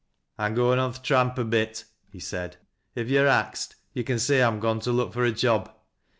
" I'm goin' on th' tramp a bit," he said. " If yo're axed, yo' con say I'm gone to look fui a job.